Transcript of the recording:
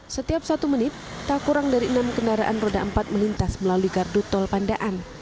setiap satu menit tak kurang dari enam kendaraan roda empat melintas melalui gardu tol pandaan